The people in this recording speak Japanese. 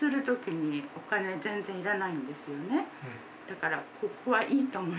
だから。